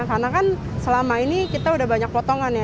karena kan selama ini kita udah banyak potongan ya